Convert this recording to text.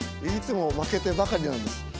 いつも負けてばかりなんです。